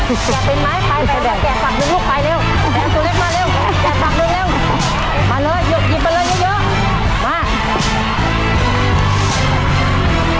แก่สุเล็กมาเร็วแก่สักหนึ่งเร็วมาเลยหยุดหยุดไปเลยเยอะเยอะ